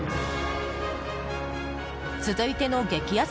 続いての激安